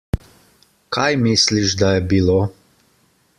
Kaj misliš, da je bilo?